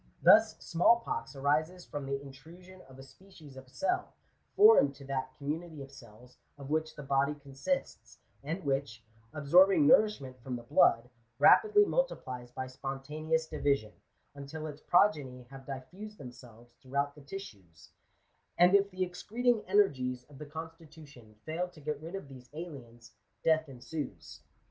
Thus, small pox arises from the intrusion of a species of cell, foreign to that commu nity of cells of which the body consists, and which, absorbing nourishment from the blood, rapidly multiplies by spontaneous division, until its progeny have diffused themselves throughout the tissues ; and if the excreting energies of the constitution fail to get rid of these aliens, death ensues.